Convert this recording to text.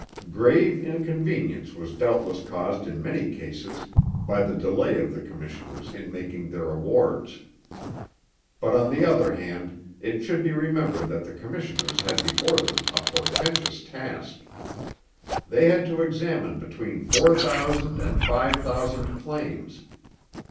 Grave inconvenience was doubtless caused in many cases by the delay of the commissioners in making their awards. But on the other hand it should be remembered that the commissioners had before them a portentous task. They had to examine between four thousand and five thousand claims.